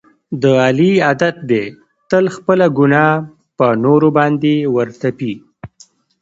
د علي عادت دی تل خپله ګناه په نورو باندې ور تپي.